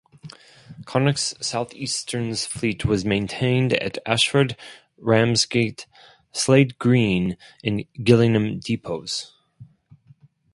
Connex South Eastern's fleet was maintained at Ashford, Ramsgate, Slade Green and Gillingham depots.